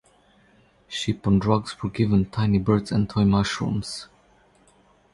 Sheep on Drugs were given tiny birds and toy mushrooms.